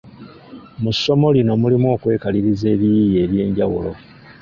Mu ssomo lino mulimu okwekaliriza ebiyiiye eby’enjawulo.